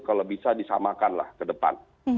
kalau bisa disamakanlah ke depan